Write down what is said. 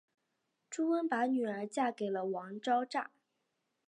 朱温把女儿嫁给了王昭祚。